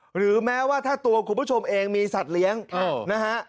หรือแม้ว่าถ้าตัวคุณผู้ชมเองมีสัตว์เลี้ยงนะฮะ